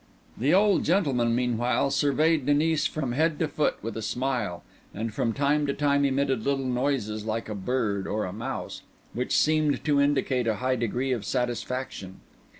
The old gentleman meanwhile surveyed Denis from head to foot with a smile, and from time to time emitted little noises like a bird or a mouse, which seemed to indicate a high degree of satisfaction.